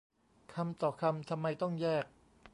คำต่อคำ ทำไมต้องแยก